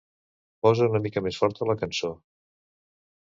Posa una mica més forta la cançó.